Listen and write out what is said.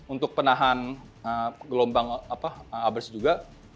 untuk penahan gelombang abrasi juga